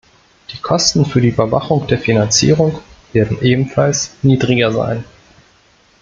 Die Kosten für die Überwachung der Finanzierung werden ebenfalls niedriger sein.